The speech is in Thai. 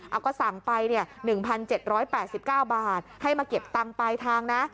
เอาก็สั่งไป๑๗๘๙บาทให้มาเก็บตังค์ปลายทางนะ